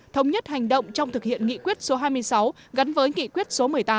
thống nhất hành động trong thực hiện nghị quyết số hai mươi sáu gắn với nghị quyết số một mươi tám